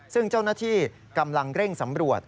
ซึ่งเจ้าหน้าที่กำลังเร่งสำรวจ